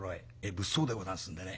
物騒でござんすんでね。